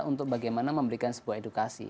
untuk bagaimana memberikan sebuah edukasi